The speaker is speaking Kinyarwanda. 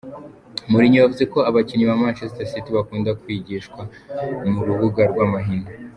Mourinho yavuze ko abakinnyi ba Manchester City bakunda kwigwisha mu rubuga rw’amahina.